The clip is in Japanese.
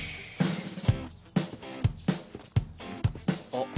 あっ。